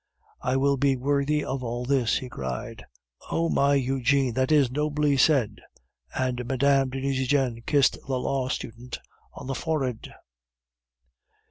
"I will be worthy of all this," he cried. "Oh! my Eugene, that is nobly said," and Mme. de Nucingen kissed the law student on the forehead.